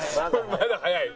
まだ早い？